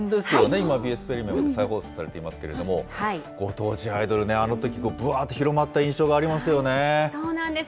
今ＢＳプレミアムで再放送されていますけれども、ご当地アイドルね、あのとき、ぶわーっと広まっそうなんです。